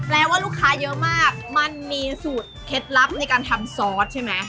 ว่าลูกค้าเยอะมากมันมีสูตรเคล็ดลับในการทำซอสใช่ไหม